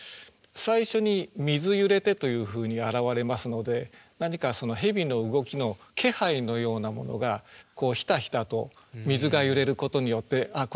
最初に「水ゆれて」というふうに表れますので何か蛇の動きの気配のようなものがこうひたひたと水が揺れることによってあっ